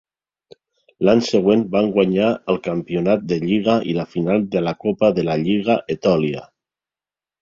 L'any següent van guanyar el Campionat de Lliga i la Final de la Copa de la Lliga Etòlia.